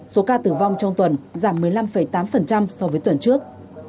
số ca tử vong trong tuần giảm một mươi năm tám so với tuần trước